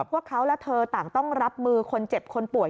พวกเขาและเธอต่างต้องรับมือคนเจ็บคนป่วย